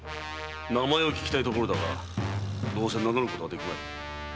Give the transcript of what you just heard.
名前を聞きたいところだがどうせ名乗ることはできまい。